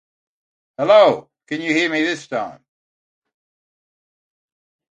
Trends in chemical shift are explained based on the degree of shielding or deshielding.